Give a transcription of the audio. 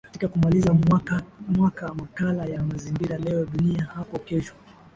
katika kumaliza mwaka makala ya mazingira leo dunia hapo kesho